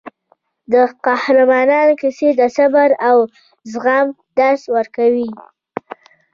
د قهرمانانو کیسې د صبر او زغم درس ورکوي.